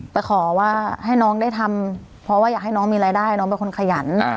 ไปขอว่าให้น้องได้ทำเพราะว่าอยากให้น้องมีรายได้น้องเป็นคนขยัน